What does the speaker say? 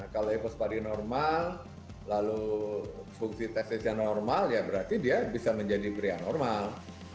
kalau hipospadi normal lalu fungsi tesisnya normal ya berarti dia bisa menjadi pria normal